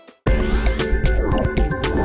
โอ้ยโอ้ยโอ้ย